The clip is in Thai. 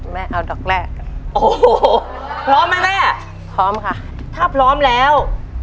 แม่เอาดอกแรกโอ้โหพร้อมไหมแม่อ่ะพร้อมค่ะถ้าพร้อมแล้ว